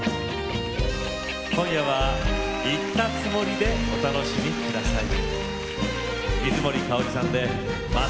今夜は行ったつもりでお楽しみください。